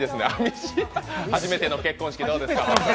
初めての結婚式どうですか？